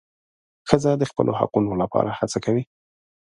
ښځه د خپلو حقونو لپاره هڅه کوي.